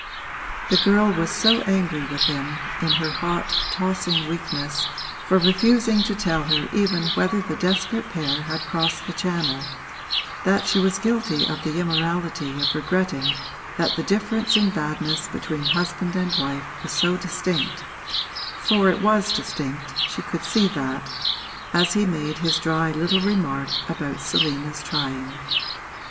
The girl was so angry with him, in her hot, tossing weakness, for refusing to tell her even whether the desperate pair had crossed the Channel, that she was guilty of the immorality of regretting that the difference in badness between husband and wife was so distinct (for it was distinct, she could see that) as he made his dry little remark about Selina's trying.